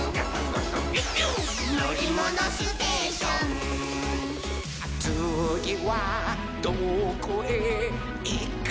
「のりものステーション」「つぎはどこへいくのかなほら」